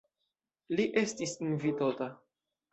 Li estis invitota.